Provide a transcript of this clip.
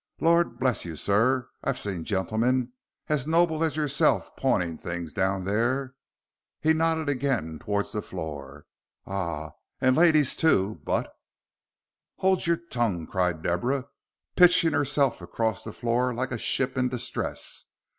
"Lor' bless you, sir, I've seen gentlemen as noble as yourself pawning things down there" he nodded again towards the floor "ah, and ladies too, but " "Hold your tongue," cried Deborah, pitching herself across the floor like a ship in distress.